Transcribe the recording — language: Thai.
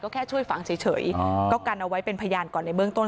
ก็แค่ช่วยฝังเฉยก็กันเอาไว้เป็นพยานก่อนในเบื้องต้น